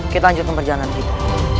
kita lanjutkan perjalanan kita